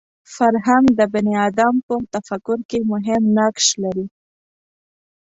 فرهنګ د بني ادم په تفکر کې مهم نقش لري